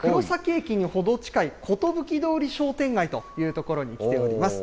駅に程近い、寿通り商店街という所に来ております。